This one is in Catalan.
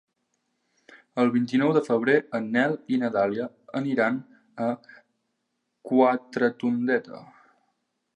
El vint-i-nou de febrer en Nel i na Dàlia aniran a Quatretondeta.